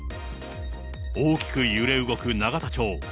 大きく揺れ動く永田町。